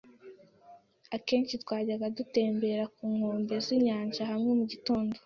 Akenshi twajyaga gutembera ku nkombe z'inyanja hamwe mugitondo.